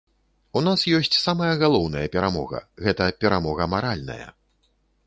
У нас ёсць самая галоўная перамога, гэта перамога маральная.